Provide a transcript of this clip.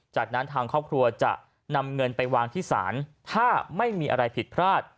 จากนั้นทางครอบครัวจะนำเงินไปวางที่ศาลถ้าไม่มีอะไรผิดพลาด